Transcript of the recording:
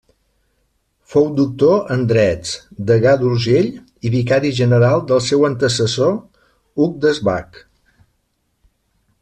Fou doctor en drets, degà d’Urgell i vicari general del seu antecessor, Hug Desbac.